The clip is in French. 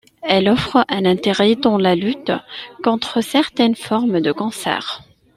Elle offre un intérêt dans la lutte contre certaines formes de cancer.